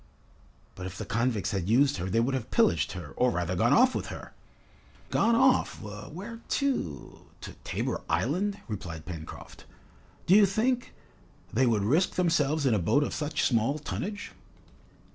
"But if the convicts had used her, they would have pillaged her, or rather gone off with her." "Gone off! where to to Tabor Island?" replied Pencroft. "Do you think, they would risk themselves in a boat of such small tonnage?"